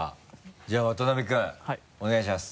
じゃあ渡辺君お願いします。